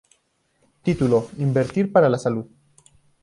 Título: Invertir para la salud.